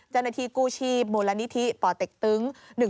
จนทีกู้ชีบมูลณ์ละนิทิป่อเต็กตึ๊ง๑๐๑